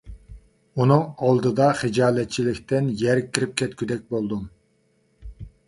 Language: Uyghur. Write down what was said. ئۇنىڭ ئالدىدا خىجالەتچىلىكتىن يەرگە كىرىپ كەتكۈدەك بولدۇم.